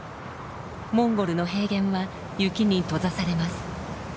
モンゴルの平原は雪に閉ざされます。